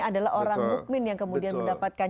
adalah orang mukmin yang kemudian mendapatkan